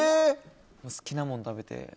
好きなもの食べて。